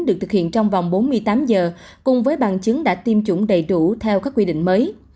được thực hiện trong vòng bốn mươi tám giờ cùng với bằng chứng đã tiêm chủng đầy đủ theo các quy định mới